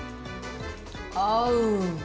合う！